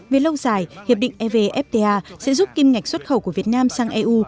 về lâu dài hiệp định evfta sẽ giúp kim ngạch xuất khẩu của việt nam sang eu